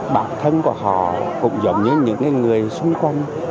bản thân của họ cũng giống như những người xung quanh